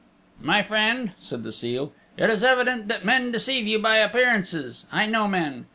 "My friend," said the seal, "it is evident that men deceive you by appearances. I know men.